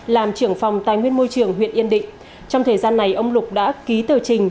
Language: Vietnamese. làm trưởng phòng tài nguyên môi trường huyện yên định trong thời gian này ông lục đã ký tờ trình